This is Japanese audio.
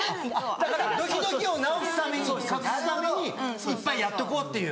だからドキドキを直すために隠すために１杯やっとこうっていう。